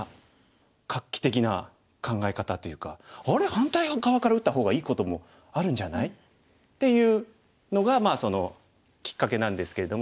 反対側から打った方がいいこともあるんじゃない？」っていうのがきっかけなんですけれども。